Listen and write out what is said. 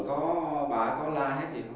có bà ấy có la hét gì không